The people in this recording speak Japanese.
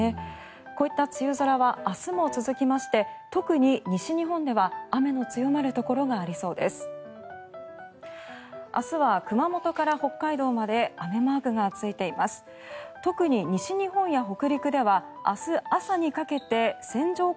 こういった梅雨空は明日も続きまして特に西日本では雨の強まるところがありそうです。